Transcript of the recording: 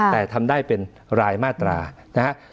แต่ทำได้เป็นรายมาตรานะครับ